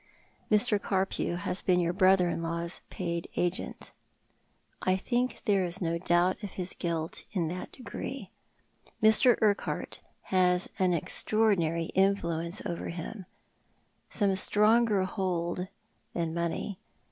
" Mr. Carpew has been your brother in law's paid agent. I think there is no doubt of his guilt in that degree. Mr. Urqu hart has an extraordinary influence over him— some stronger hold than money.